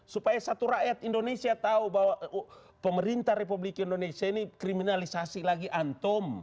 supaya satu rakyat indonesia tahu bahwa pemerintah republik indonesia ini kriminalisasi lagi antum